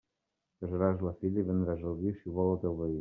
Casaràs la filla i vendràs el vi si ho vol el teu veí.